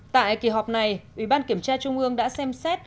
tại kỳ họp này ủy ban kiểm tra trung ương đã xem xét